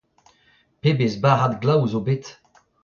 Pebezh barrad glav zo bet !